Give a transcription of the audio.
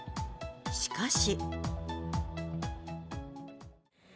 しかし。